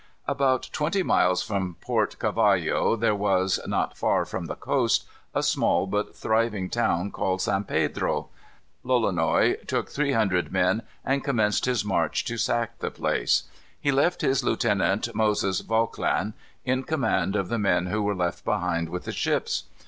About twenty miles from Port Cavallo there was, not far from the coast, a small but thriving town called San Pedro. Lolonois took three hundred men and commenced his march to sack the place. He left his lieutenant, Moses Vauclin, in command of the men who were left behind with the ships.